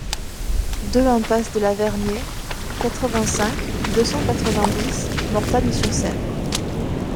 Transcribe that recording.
deux impasse de la Vergnaie, quatre-vingt-cinq, deux cent quatre-vingt-dix, Mortagne-sur-Sèvre